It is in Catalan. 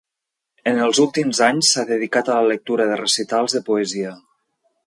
En els últims anys, s'ha dedicat a la lectura de recitals de poesia.